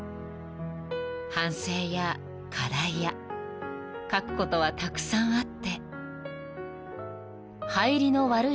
［反省や課題や書くことはたくさんあって］